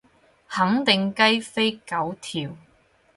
肯定雞飛狗跳